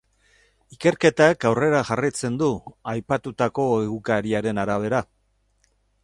Ikerketak aurrera jarraitzen du, aipatutako egunkariaren arabera.